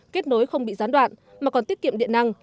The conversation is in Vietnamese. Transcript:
kết nối không bị gián đoạn mà còn tiết kiệm điện năng